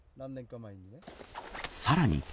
さらに。